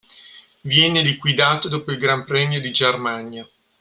Viene liquidato dopo il Gran Premio di Germania.